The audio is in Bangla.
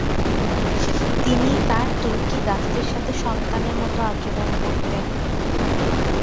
তিনি তার তুর্কি দাসদের সাথে সন্তানের মত আচরণ করতেন।